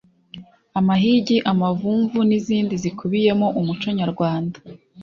amahigi, amavumvu n’izindi zikubiyemo umuco nyarwanda.